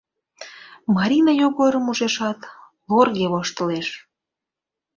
Марина Йогорым ужешат, лорге воштылеш.